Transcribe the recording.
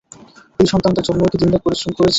এই সন্তানদের জন্যই কি দিন-রাত পরিশ্রম করেছি?